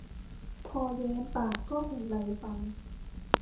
พอแย้มปากก็เห็นไรฟัน